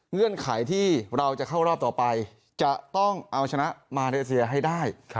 เงื่อนไขที่เราจะเข้ารอบต่อไปจะต้องเอาชนะมาเลเซียให้ได้